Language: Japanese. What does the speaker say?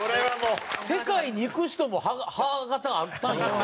世界に行く人も歯形あったんや。